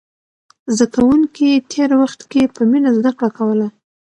زده کوونکي تېر وخت کې په مینه زده کړه کوله.